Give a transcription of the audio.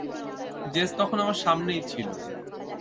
JS তখন আমার সামনেই ছিল।